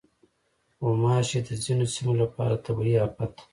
غوماشې د ځینو سیمو لپاره طبعي افت دی.